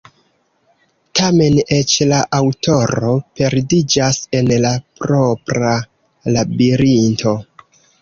Tamen, eĉ la aŭtoro perdiĝas en la propra labirinto.